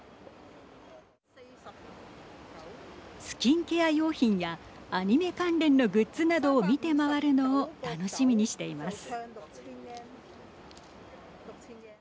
スキンケア用品やアニメ関連のグッズなどを見て回るのを楽しみにしています。